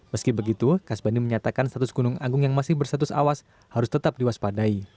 meski begitu kasbani menyatakan status gunung agung yang masih bersatus awas harus tetap diwaspadai